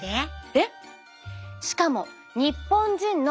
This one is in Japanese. えっ！